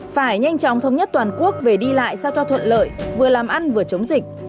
phải nhanh chóng thống nhất toàn quốc về đi lại sao cho thuận lợi vừa làm ăn vừa chống dịch